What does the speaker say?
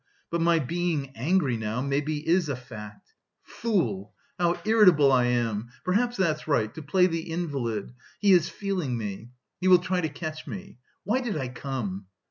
But my being angry now, maybe is a fact! Fool, how irritable I am! Perhaps that's right; to play the invalid.... He is feeling me. He will try to catch me. Why did I come?"